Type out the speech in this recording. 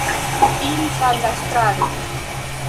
Iris al la estraro.